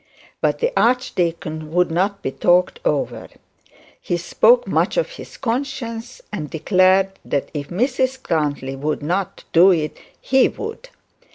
But the archdeacon would not be talked over; he spoke much of his conscience, and declared that if Mrs Grantly would not do it he would.